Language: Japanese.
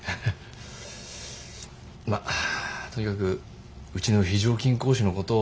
まあとにかくうちの非常勤講師のことを。